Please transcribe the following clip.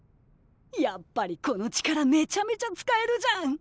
やっぱりこの力めちゃめちゃ使えるじゃん！